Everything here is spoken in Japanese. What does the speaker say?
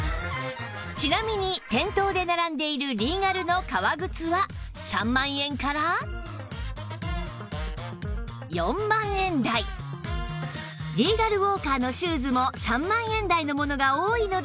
ちなみに店頭で並んでいるリーガルの革靴は３万円から４万円台ＲｅｇａｌＷａｌｋｅｒ のシューズも３万円台のものが多いのですが